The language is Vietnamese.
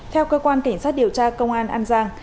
theo cơ quan cảnh sát điều tra công an an giang